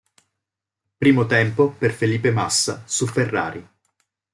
Primo tempo per Felipe Massa su Ferrari.